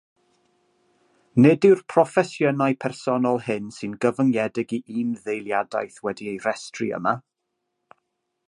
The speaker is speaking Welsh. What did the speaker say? Nid yw'r proffesiynau "personol" hyn sy'n gyfyngedig i un ddeiliadaeth wedi'u rhestru yma.